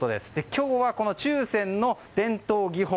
今日はこの注染の伝統技法